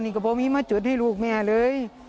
มีโมชน์รับทานให้ลูกแม่เลย